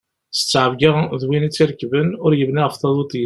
S ttɛebga d win tt-irekben, ur yebni ɣef taḍuṭ yeswan.